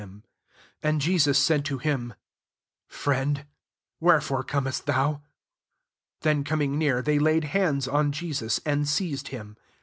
50 And Jesus said to him) "Friend, wherefore comest thou ?" Then coming near, they laid hands on Jesus, and seized him.